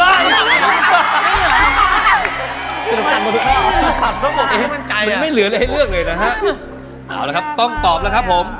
อ้าวไม่เหลืออะไรให้เลือกเลยนะฮะต้องตอบแล้วครับผม